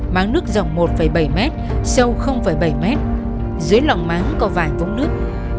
máng nước rộng một bảy m sâu bảy m dưới lòng máng có vài vũng nước